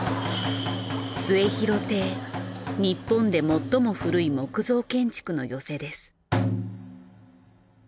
日本で最も古い木造建築の寄席です。